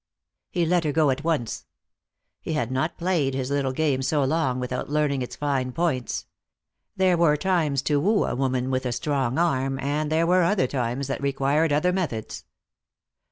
He let her go at once. He had not played his little game so long without learning its fine points. There were times to woo a woman with a strong arm, and there were other times that required other methods.